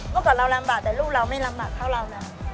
ต้องการทำลำบากแต่ลูกเราไม่ลำบากเท่าเราละ